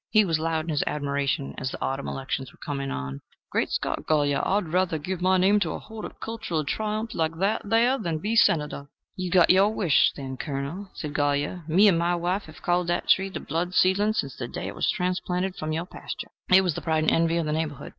He was loud in his admiration, as the autumn elections were coming on: "Great Scott, Golyer! I'd rather give my name to a horticultooral triumph like that there than be Senator." "You've got your wish, then, colonel," said Golyer. "Me and my wife have called that tree The Blood Seedling sence the day it was transplanted from your pastur'." It was the pride and envy of the neighborhood.